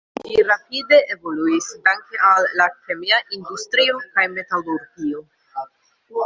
Ĝi rapide evoluis danke al la kemia industrio kaj metalurgio.